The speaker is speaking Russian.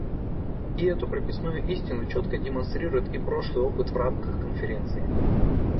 И эту прописную истину четко демонстрирует и прошлый опыт в рамках Конференции.